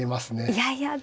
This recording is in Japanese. いやいや。